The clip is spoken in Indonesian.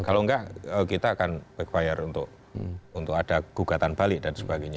kalau enggak kita akan backfire untuk ada gugatan balik dan sebagainya